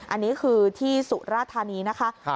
อันนี้คือที่สุราธานีนะคะ